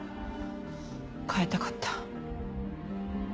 変えたかった。